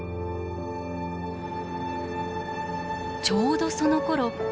ちょうどそのころ。